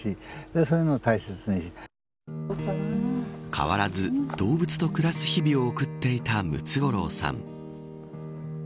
変わらず動物と暮らす日々を送っていたムツゴロウさん。